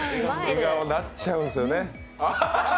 笑顔になっちゃうんですよね。